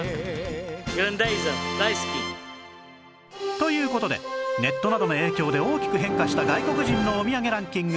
という事でネットなどの影響で大きく変化した外国人のお土産ランキング